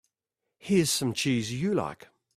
Here's some cheese you like.